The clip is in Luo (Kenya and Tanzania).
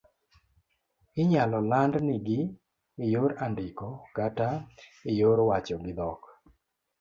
Inyalo landnigi eyor andiko kata eyor wacho gi dhok